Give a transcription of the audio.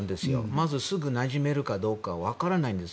まず、すぐなじめるかどうか分からないです。